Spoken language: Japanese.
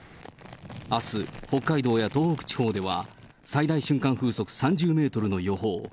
あす、北海道や東北地方では最大瞬間風速３０メートルの予報。